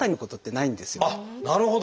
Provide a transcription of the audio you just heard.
なるほど。